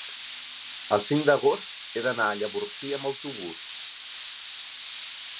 el cinc d'agost he d'anar a Llavorsí amb autobús.